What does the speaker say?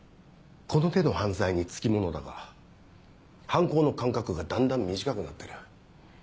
この手の犯罪につきものだが犯行の間隔がだんだん短くなってる。